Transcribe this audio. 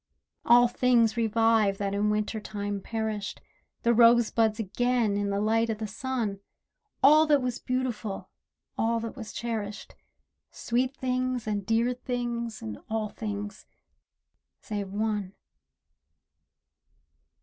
All things revive that in Winter time perished, The rose buds again in the light o' the sun, All that was beautiful, all that was cherished, Sweet things and dear things and all things—save one.